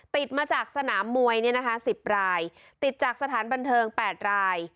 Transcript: ติดมาจากสนามมวยเนี่ยนะคะสิบรายติดจากสถานบันเทิงแปดราย